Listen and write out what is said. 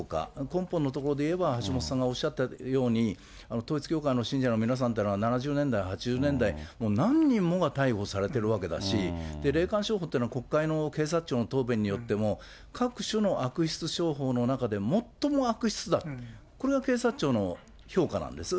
根本のところでいえば橋本さんがおっしゃったように、統一教会の信者の皆さんというのは、７０年代、８０年代、もう何人もが逮捕されてるわけだし、霊感商法というのは、国会の警察庁の答弁によっても各種の悪質商法の中で最も悪質だと、これは警察庁の評価なんです。